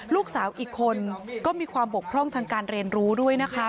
ลูกสาวอีกคนก็มีความบกพร่องทางการเรียนรู้ด้วยนะคะ